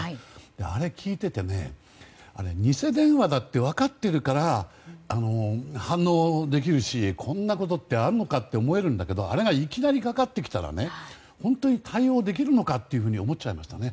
あれを聞いてて偽電話だって分かってるから反応できるしこんなことってあるかと思えるけどあれがいきなりかかってきたら本当に対応できるのかと思っちゃいましたね。